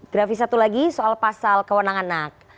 grafis satu lagi soal pasal kewenangan anak